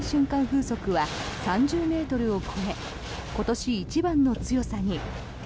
風速は３０ｍを超え今年一番の強さに。